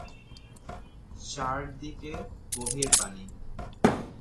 চারদিকে গভীর পানি।